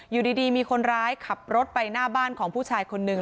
อยู่ดีมีคนร้ายขับรถไปหน้าบ้านของผู้ชายคนนึง